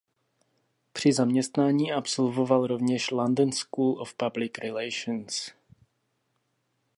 Při zaměstnání absolvoval rovněž London School of Public Relations.